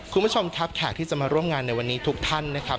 คุณผู้ชมครับแขกที่จะมาร่วมงานในวันนี้ทุกท่านนะครับ